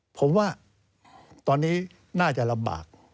ผมว่าตอนนี้น่าจะลำบาก